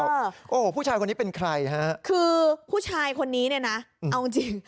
โอ้โหผู้ชายคนนี้เป็นใครฮะคือผู้ชายคนนี้เนี่ยนะเอาจริงจริง